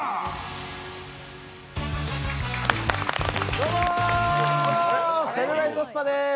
どうもセルライトスパです。